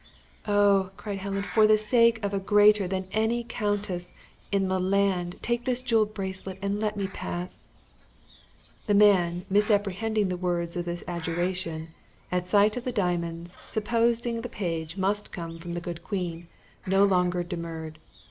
"Oh!" cried Helen, "for the sake of a greater than any countess in the land, take this jeweled bracelet, and let me pass!" The man, misapprehending the words of this adjuration, at sight of the diamonds, supposing the page must come from the good queen, no longer demurred.